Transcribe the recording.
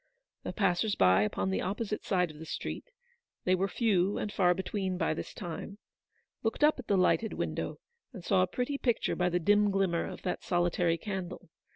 The passers by upon the opposite side of the street — they were few and far between by this time — looked up at the lighted window, and saw a pretty picture by the dim glimmer of that soli tary candle.